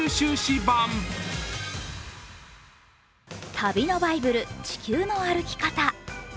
旅のバイブル「地球の歩き方」。